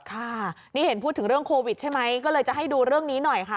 ค่ะนี่เห็นพูดถึงเรื่องโควิดใช่ไหมก็เลยจะให้ดูเรื่องนี้หน่อยค่ะ